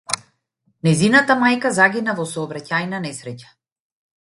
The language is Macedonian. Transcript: Нејзината мајка загина во сообраќајна несреќа.